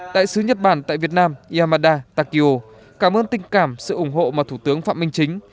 đại sứ nhật bản tại việt nam yamada takio cảm ơn tình cảm sự ủng hộ mà thủ tướng phạm minh chính